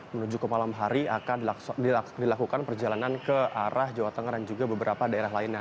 menuju ke malam hari akan dilakukan perjalanan ke arah jawa tengah dan juga beberapa daerah lainnya